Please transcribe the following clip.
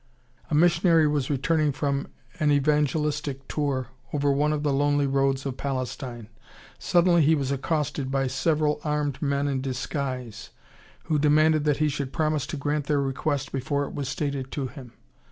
A missionary was returning from an evangelistic tour over one of the lonely roads of Palestine. Suddenly he was accosted by several armed men in disguise, who demanded that he should promise to grant their request before it was stated to him.